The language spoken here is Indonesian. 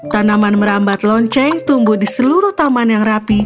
tanaman merambat lonceng tumbuh di seluruh taman yang rapi